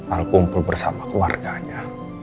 al kumpul bersama keluarganya